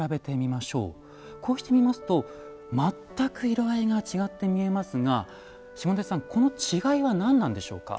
こうしてみますと全く色合いが違って見えますが下出さんこの違いは何なんでしょうか？